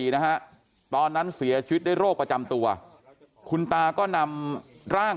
นะฮะตอนนั้นเสียชีวิตด้วยโรคประจำตัวคุณตาก็นำร่าง